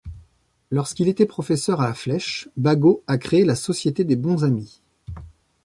Lorsqu'il était professeur à La Flèche, Bagot a créé la société des Bons Amis.